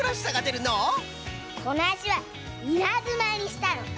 このあしはいなずまにしたの！